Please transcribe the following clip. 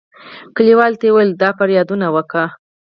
کلیوالو ته یې ویل د فریادونه وکړي.